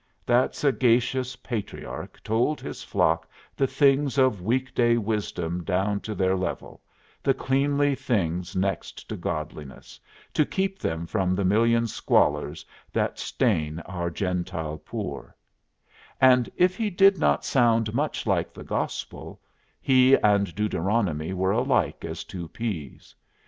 That sagacious patriarch told his flock the things of week day wisdom down to their level, the cleanly things next to godliness, to keep them from the million squalors that stain our Gentile poor; and if he did not sound much like the Gospel, he and Deuteronomy were alike as two peas.